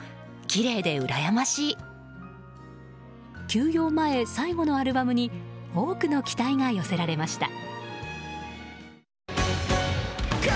休養前、最後のアルバムに多くの期待が寄せられました。